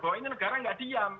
bahwa ini negara nggak diam